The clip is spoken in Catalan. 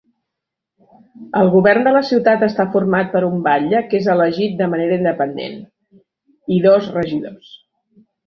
El govern de la ciutat està format per un batlle que és elegit de manera independent i dos regidors.